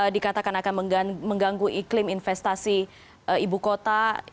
dikatakan akan mengganggu iklim investasi ibu kota